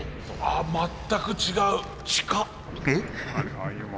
あ全く違う。